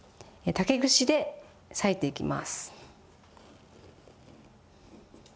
竹串で４等分に裂いていきます。